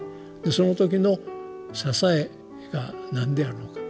その時の支えが何であるのか。